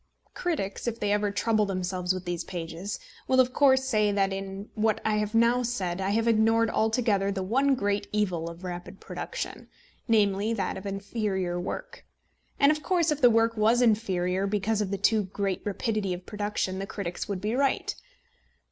Critics, if they ever trouble themselves with these pages, will, of course, say that in what I have now said I have ignored altogether the one great evil of rapid production, namely, that of inferior work. And of course if the work was inferior because of the too great rapidity of production, the critics would be right.